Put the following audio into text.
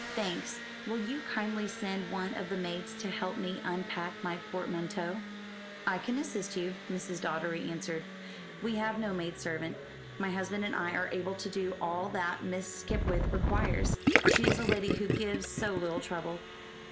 "Thanks! Will you kindly send one of the maids to help me unpack my portmanteau?" "I can assist you," Mrs. Doddery answered. "We have no maid servant. My husband and I are able to do all that Miss Skipwith requires. She is a lady who gives so little trouble."